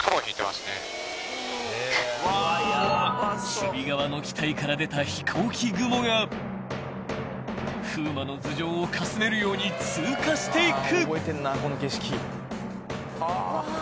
［守備側の機体から出た飛行機雲が風磨の頭上をかすめるように通過していく］